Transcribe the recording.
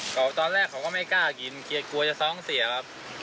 ก็ตอนแรกเขาก็ไม่กล้ากินเกลียดกลัวจะท้องเสียครับ